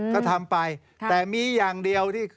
ก็ทำไปแต่มีอย่างเดียวที่